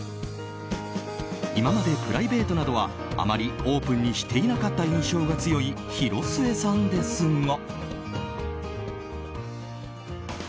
今までプライベートなどはあまりオープンにしていなかった印象が強い広末さんですが。